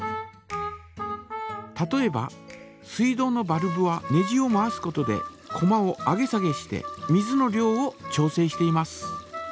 例えば水道のバルブはネジを回すことでこまを上げ下げして水の量を調整しています。